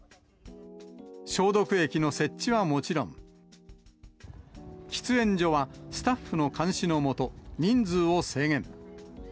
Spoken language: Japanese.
消毒液の設置はもちろん、喫煙所はスタッフの監視のもと、人数を制限。